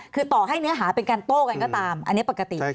คือต่อให้เนื้อหาเป็นการโต้กันก็ตามอันนี้ปกติ